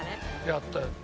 「やったやった」